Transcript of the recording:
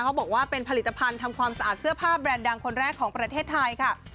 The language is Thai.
เขาบอกว่าเป็นผลิตภัณฑ์ทำความสะอาดเสื้อผ้าแบรนด์ดังคนแรกของประเทศไทยค่ะ